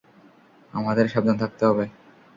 আমাদের সাবধান থাকতে হবে।